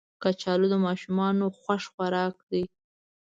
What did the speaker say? کچالو د ماشومانو خوښ خوراک دی